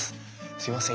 すみません